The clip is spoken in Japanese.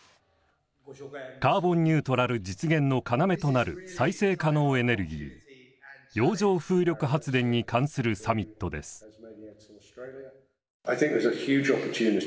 カーボンニュートラル実現の要となる再生可能エネルギー洋上風力発電に関するサミットです。